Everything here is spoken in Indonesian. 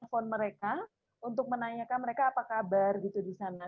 menelpon mereka untuk menanyakan mereka apa kabar di sana